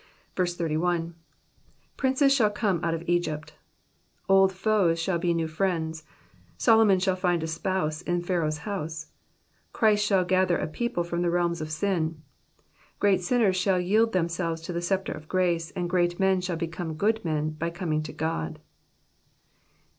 31. ^^ Princes shall come out of EgypW*^ Old foes shall be new friends. Solomon shall find a spouse in Pharaoh's house. Christ shall gather a people from the realm of sin. Groat sinners shall yield themselves to the sceptre of grace, and great men shall become good men, by coming to God.